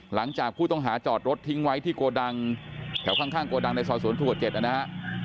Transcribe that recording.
หลังจากผู้ต้องหาจอดรถทิ้งไว้ที่โกดังแถวข้างโกดังในซอยสวนทัว๗นะฮะ